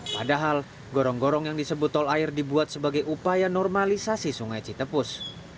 padahal gorong gorong yang disebut tol air dibuat sebagai upaya normalisasi sungai citepus